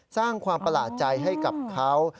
สร้างความประหลาดใจให้กับเขา